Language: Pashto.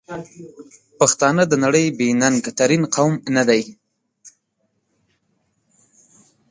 پښتانه د نړۍ بې ننګ ترین قوم ندی؟!